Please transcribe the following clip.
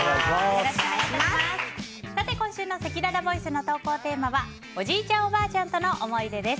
今週のせきららボイスの投稿テーマはおじいちゃん・おばあちゃんとの思い出です。